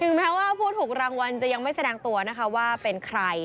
แม้ว่าผู้ถูกรางวัลจะยังไม่แสดงตัวนะคะว่าเป็นใคร